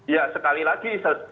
ya sekali lagi